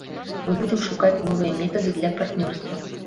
Мы будзем шукаць новыя метады для партнёрства.